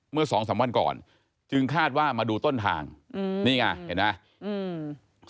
เมื่อสองสามวันก่อนจึงคาดว่ามาดูต้นทางอืมนี่ไงเห็นไหมอืม